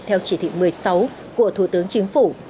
theo chỉ thị một mươi sáu của thủ tướng chính phủ